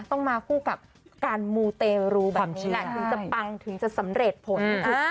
ต้องมาคู่กับการมูเตรูแบบนี้แหละถึงจะปังถึงจะสำเร็จผล